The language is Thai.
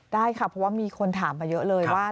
ได้ค่ะเพราะว่ามีคนถามมาเยอะเลยว่า